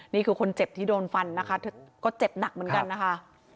นี่คือคนเจ็บที่โดนฟันนะคะเธอก็เจ็บหนักเหมือนกันนะคะ